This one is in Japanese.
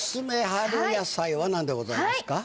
春野菜は何でございますか？